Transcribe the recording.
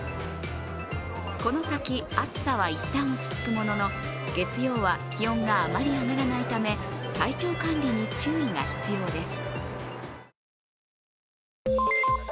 この先、暑さはいったん落ち着くものの月曜は気温があまり上がらないため体調管理に注意が必要です。